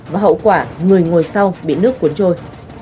và hậu quả người ngồi sau bị nước cuốn trôi